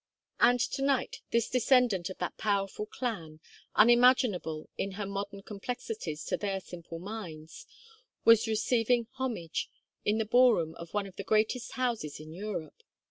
And to night this descendant of that powerful clan, unimaginable in her modern complexities to their simple minds, was receiving homage in the ballroom of one of the greatest houses in Europe.